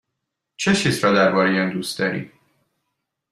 چه چیز را درباره آن دوست داری؟